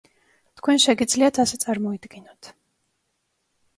თქვენ შეგიძლიათ ასე წარმოიდგინოთ.